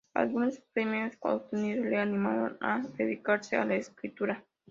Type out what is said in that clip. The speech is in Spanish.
Algunos premios obtenidos le animaron a dedicarse a la escritura.